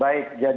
baik yang bolos